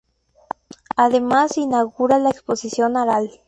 Además inaugura la exposición "Aral.